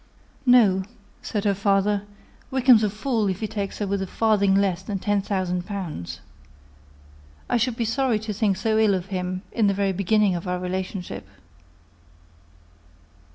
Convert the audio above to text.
"No," said her father. "Wickham's a fool if he takes her with a farthing less than ten thousand pounds: I should be sorry to think so ill of him, in the very beginning of our relationship."